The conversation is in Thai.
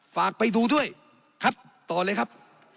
ฝากไปดูด้วยคัดต่อเลยครับ